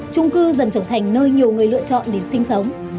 trung cư dần trở thành nơi nhiều người lựa chọn để sinh sống